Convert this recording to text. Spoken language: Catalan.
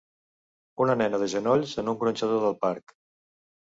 Una nena de genolls en un gronxador del parc